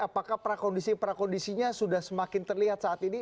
apakah perakondisi perakondisinya sudah semakin terlihat saat ini